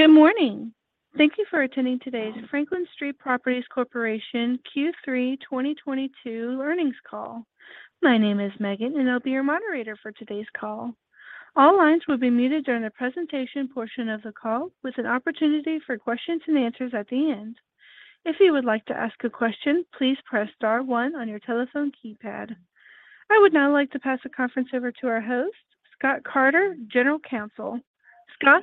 Good morning. Thank you for attending today's Franklin Street Properties Corporation. Q3 2022 Earnings Call. My name is Megan, and I'll be your moderator for today's call. All lines will be muted during the presentation portion of the call with an opportunity for questions and answers at the end. If you would like to ask a question, please press star one on your telephone keypad. I would now like to pass the conference over to our host, Scott Carter, General Counsel. Scott,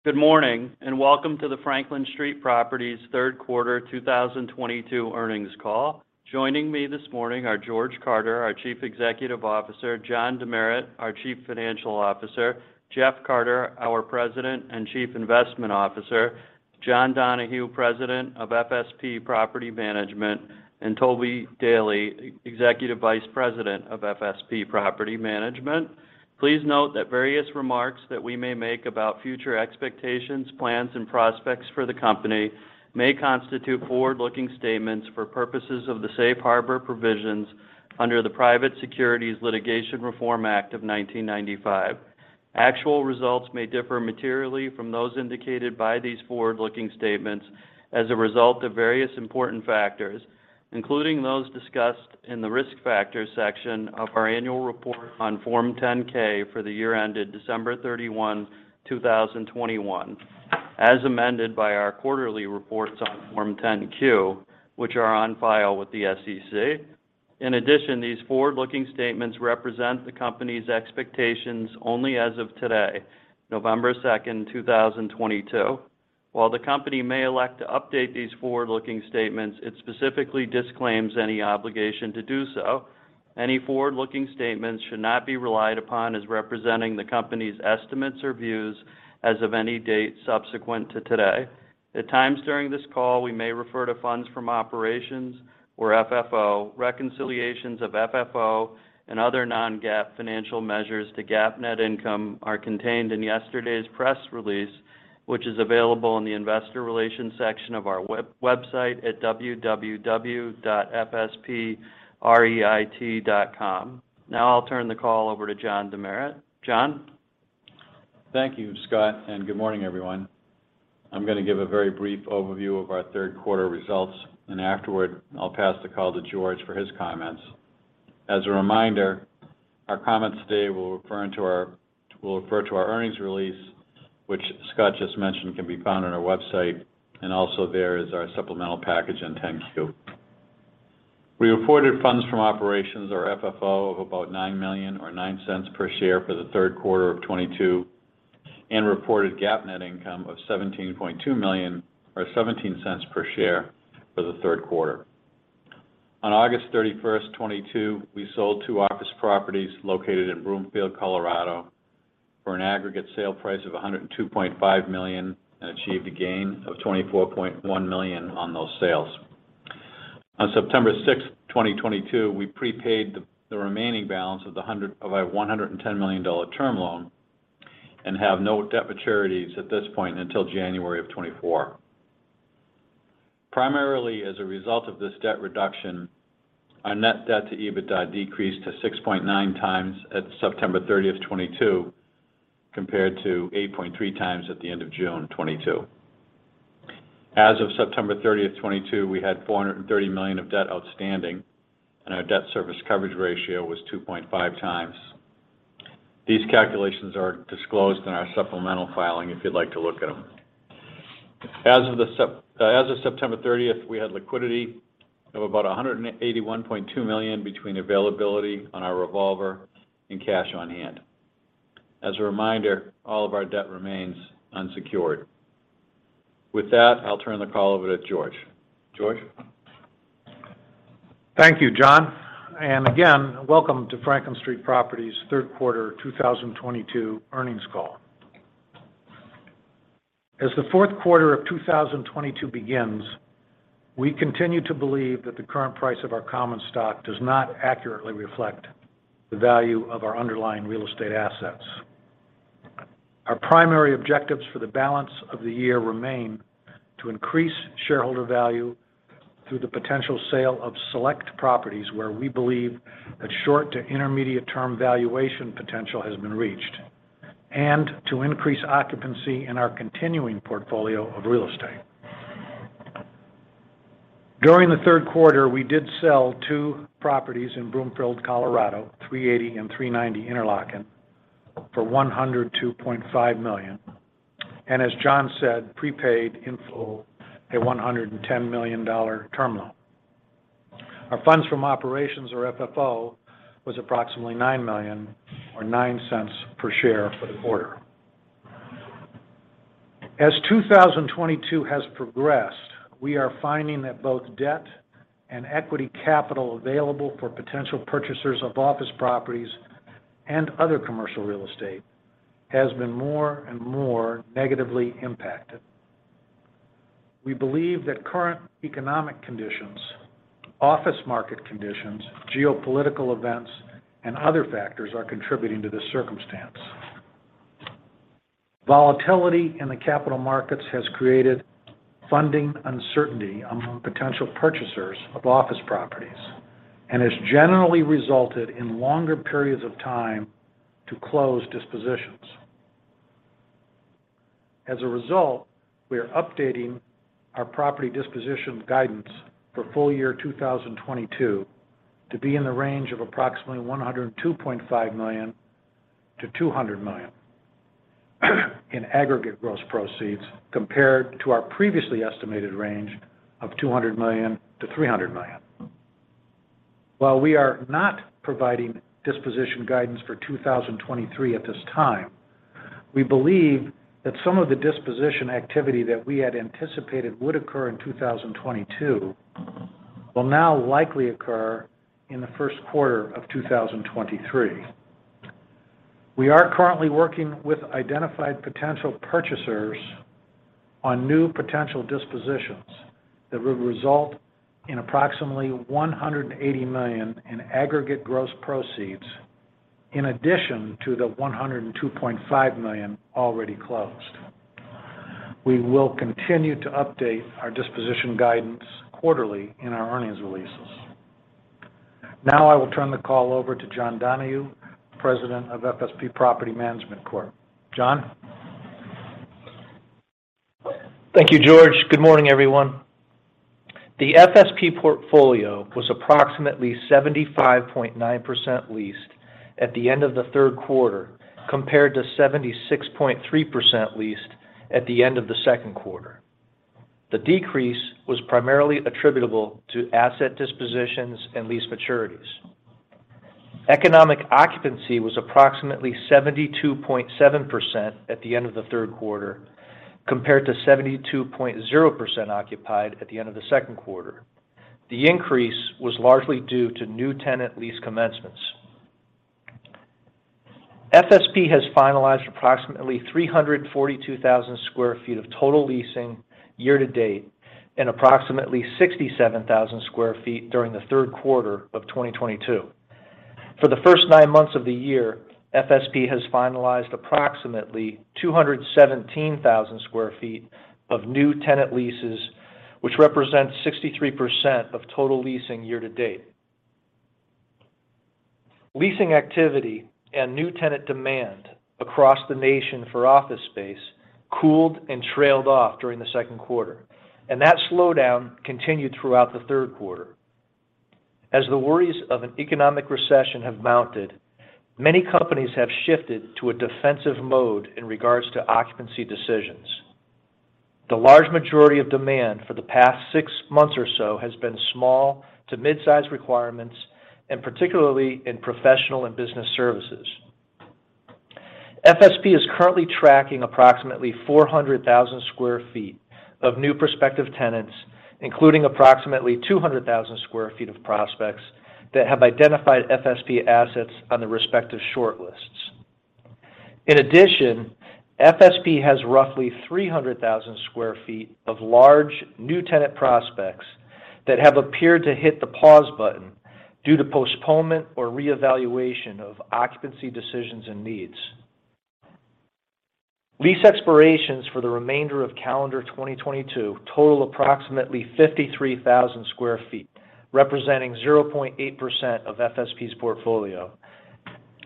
please go ahead. Good morning and welcome to the Franklin Street Properties third quarter 2022 earnings call. Joining me this morning are George Carter, our Chief Executive Officer, John Demeritt, our Chief Financial Officer, Jeff Carter, our President and Chief Investment Officer, John Donahue, President of FSP Property Management, and Toby Daley, Executive Vice President of FSP Property Management. Please note that various remarks that we may make about future expectations, plans, and prospects for the company may constitute forward-looking statements for purposes of the Safe Harbor Provisions under the Private Securities Litigation Reform Act of 1995. Actual results may differ materially from those indicated by these forward-looking statements as a result of various important factors, including those discussed in the Risk Factors section of our annual report on Form 10-K for the year ended December 31, 2021, as amended by our quarterly reports on Form 10-Q, which are on file with the SEC. In addition, these forward-looking statements represent the company's expectations only as of today, November 2nd, 2022. While the company may elect to update these forward-looking statements, it specifically disclaims any obligation to do so. Any forward-looking statements should not be relied upon as representing the company's estimates or views as of any date subsequent to today. At times during this call, we may refer to funds from operations or FFO. Reconciliations of FFO and other non-GAAP financial measures to GAAP net income are contained in yesterday's press release, which is available in the Investor Relations section of our website at www.fspreit.com. Now I'll turn the call over to John DeMeritt. John. Thank you, Scott, and good morning, everyone. I'm going to give a very brief overview of our third quarter results, and afterward I'll pass the call to George for his comments. As a reminder, our comments today will refer to our earnings release, which Scott just mentioned can be found on our website, and also there is our supplemental package and 10-Q. We reported funds from operations or FFO of about $9 million or $0.09 per share for the third quarter of 2022 and reported GAAP net income of $17.2 million or $0.17 per share for the third quarter. On August 31st, 2022, we sold two office properties located in Broomfield, Colorado, for an aggregate sale price of $102.5 million and achieved a gain of $24.1 million on those sales. On September 6th, 2022, we prepaid the remaining balance of our $110 million term loan and have no debt maturities at this point until January 2024. Primarily as a result of this debt reduction, our net debt to EBITDA decreased to 6.9x at September 30, 2022, compared to 8.3x at the end of June 2022. As of September 30, 2022, we had $430 million of debt outstanding, and our debt service coverage ratio was 2.5x. These calculations are disclosed in our supplemental filing if you'd like to look at them. As of September 30th, we had liquidity of about $181.2 million between availability on our revolver and cash on hand. As a reminder, all of our debt remains unsecured. With that, I'll turn the call over to George. George. Thank you, John, and again, welcome to Franklin Street Properties third quarter 2022 earnings call. As the fourth quarter of 2022 begins, we continue to believe that the current price of our common stock does not accurately reflect the value of our underlying real estate assets. Our primary objectives for the balance of the year remain to increase shareholder value through the potential sale of select properties where we believe that short to intermediate term valuation potential has been reached, and to increase occupancy in our continuing portfolio of real estate. During the third quarter, we did sell two properties in Broomfield, Colorado, 380 and 390 Interlocken, for $102.5 million, and as John said, prepaid in full a $110 million term loan. Our funds from operations or FFO was approximately $9 million or $0.09 per share for the quarter. As 2022 has progressed, we are finding that both debt and equity capital available for potential purchasers of office properties and other commercial real estate has been more and more negatively impacted. We believe that current economic conditions, office market conditions, geopolitical events, and other factors are contributing to this circumstance. Volatility in the capital markets has created funding uncertainty among potential purchasers of office properties and has generally resulted in longer periods of time to close dispositions. As a result, we are updating our property disposition guidance for full-year 2022 to be in the range of approximately $102.5 million-$200 million in aggregate gross proceeds, compared to our previously estimated range of $200 million-$300 million. While we are not providing disposition guidance for 2023 at this time, we believe that some of the disposition activity that we had anticipated would occur in 2022 will now likely occur in the first quarter of 2023. We are currently working with identified potential purchasers on new potential dispositions that would result in approximately $180 million in aggregate gross proceeds in addition to the $102.5 million already closed. We will continue to update our disposition guidance quarterly in our earnings releases. Now, I will turn the call over to John Donahue, President of FSP Property Management Corp. John? Thank you, George. Good morning, everyone. The FSP portfolio was approximately 75.9% leased at the end of the third quarter, compared to 76.3% leased at the end of the second quarter. The decrease was primarily attributable to asset dispositions and lease maturities. Economic occupancy was approximately 72.7% at the end of the third quarter, compared to 72.0% occupied at the end of the second quarter. The increase was largely due to new tenant lease commencements. FSP has finalized approximately 342,000 sq ft of total leasing year to date and approximately 67,000 sq ft during the third quarter of 2022. For the first nine months of the year, FSP has finalized approximately 217,000 sq ft of new tenant leases, which represents 63% of total leasing year to date. Leasing activity and new tenant demand across the nation for office space cooled and trailed off during the second quarter, and that slowdown continued throughout the third quarter. As the worries of an economic recession have mounted, many companies have shifted to a defensive mode in regards to occupancy decisions. The large majority of demand for the past six months or so has been small to mid-size requirements, and particularly in professional and business services. FSP is currently tracking approximately 400,000 sq ft of new prospective tenants, including approximately 200,000 sq ft of prospects that have identified FSP assets on the respective shortlists. In addition, FSP has roughly 300,000 sq ft of large new tenant prospects that have appeared to hit the pause button due to postponement or reevaluation of occupancy decisions and needs. Lease expirations for the remainder of calendar 2022 total approximately 53,000 sq ft, representing 0.8% of FSP's portfolio.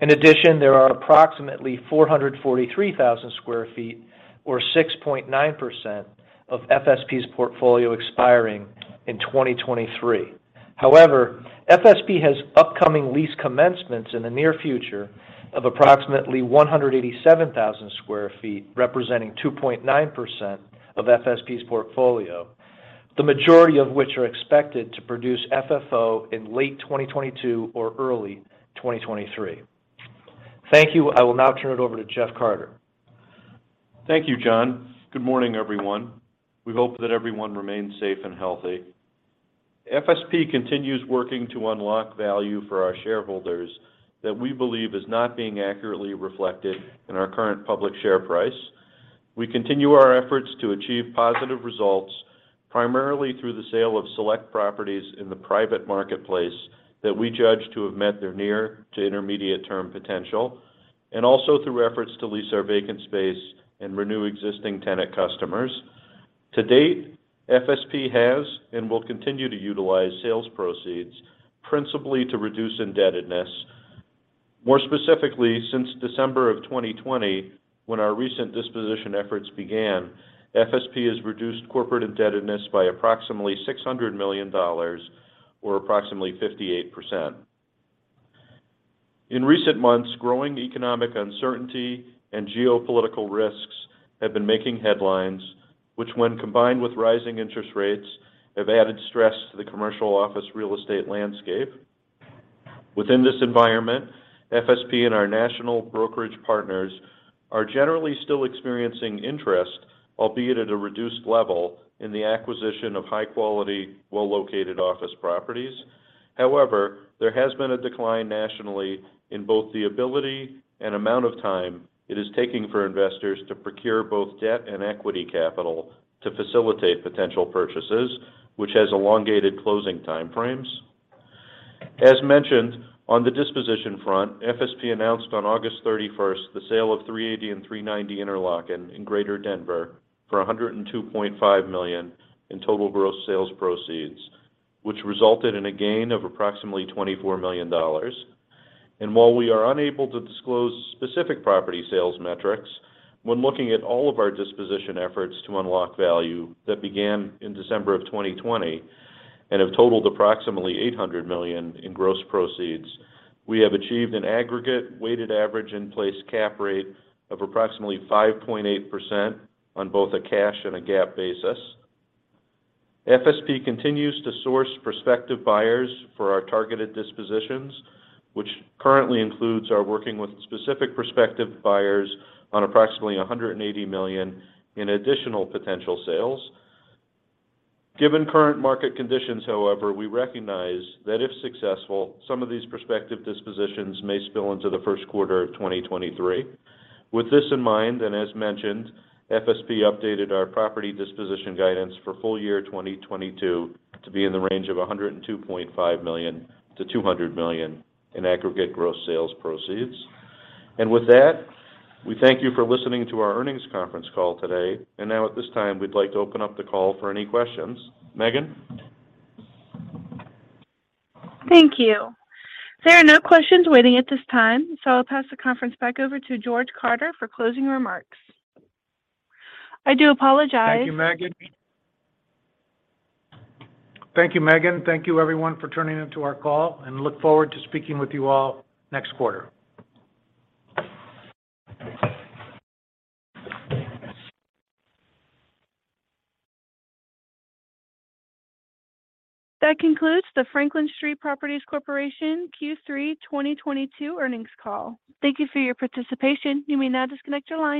In addition, there are approximately 443,000 sq ft or 6.9% of FSP's portfolio expiring in 2023. However, FSP has upcoming lease commencements in the near future of approximately 187,000 sq ft, representing 2.9% of FSP's portfolio. The majority of which are expected to produce FFO in late 2022 or early 2023. Thank you. I will now turn it over to Jeff Carter. Thank you, John. Good morning, everyone. We hope that everyone remains safe and healthy. FSP continues working to unlock value for our shareholders that we believe is not being accurately reflected in our current public share price. We continue our efforts to achieve positive results, primarily through the sale of select properties in the private marketplace that we judge to have met their near to intermediate term potential, and also through efforts to lease our vacant space and renew existing tenant customers. To date, FSP has and will continue to utilize sales proceeds principally to reduce indebtedness. More specifically, since December of 2020, when our recent disposition efforts began, FSP has reduced corporate indebtedness by approximately $600 million or approximately 58%. In recent months, growing economic uncertainty and geopolitical risks have been making headlines, which when combined with rising interest rates, have added stress to the commercial office real estate landscape. Within this environment, FSP and our national brokerage partners are generally still experiencing interest, albeit at a reduced level, in the acquisition of high-quality, well-located office properties. However, there has been a decline nationally in both the ability and amount of time it is taking for investors to procure both debt and equity capital to facilitate potential purchases, which has elongated closing time frames. As mentioned, on the disposition front, FSP announced on August 31st the sale of 380 and 390 Interlocken in Greater Denver for $102.5 million in total gross sales proceeds, which resulted in a gain of approximately $24 million. While we are unable to disclose specific property sales metrics, when looking at all of our disposition efforts to unlock value that began in December of 2020 and have totaled approximately $800 million in gross proceeds, we have achieved an aggregate weighted average in place cap rate of approximately 5.8% on both a cash and a GAAP basis. FSP continues to source prospective buyers for our targeted dispositions, which currently includes our working with specific prospective buyers on approximately $180 million in additional potential sales. Given current market conditions, however, we recognize that if successful, some of these prospective dispositions may spill into the first quarter of 2023. With this in mind, and as mentioned, FSP updated our property disposition guidance for full year 2022 to be in the range of $102.5 million-$200 million in aggregate gross sales proceeds. With that, we thank you for listening to our earnings conference call today. Now at this time we'd like to open up the call for any questions. Megan? Thank you. There are no questions waiting at this time, so I'll pass the conference back over to George Carter for closing remarks. I do apologize. Thank you, Megan. Thank you everyone for tuning in to our call, and look forward to speaking with you all next quarter. That concludes the Franklin Street Properties Corp. Q3 2022 earnings call. Thank you for your participation. You may now disconnect your line.